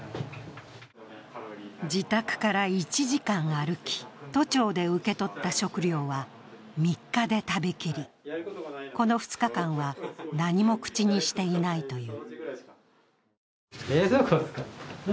自宅から１時間歩き、都庁で受け取った食料は３日で食べきり、この２日間は何も口にしていないという。